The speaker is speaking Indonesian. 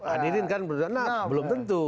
adilin kan belum tentu